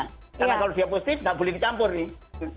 karena kalau dia positif tidak boleh dicampur nih